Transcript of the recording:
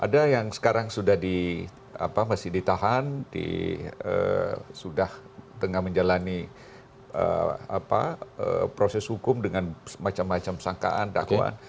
ada yang sekarang sudah masih ditahan sudah tengah menjalani proses hukum dengan macam macam sangkaan dakwaan